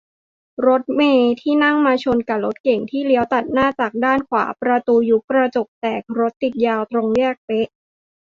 รถเมล์ที่นั่งมาชนกะรถเก๋งที่เลี้ยวตัดหน้าจากด้านขวา ประตูยุบ กระจกแตก รถติดยาว ตรงแยกเป๊ะ